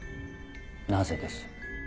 なぜです？